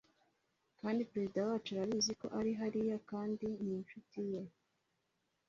kandi perezida wacu arabizi ko ari hariya kandi n’inshuti ye